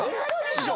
師匠！